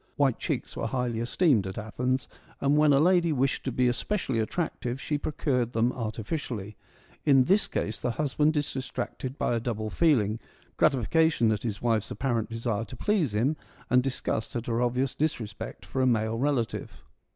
(White cheeks were highly esteemed at Athens, and when a lady wished to be especially attractive, she procured them artificially. In this case the hus band is distracted by a double feeling : gratification at his wife's apparent desire to please him, and dis gust at her obvious disrespect for a male relative.)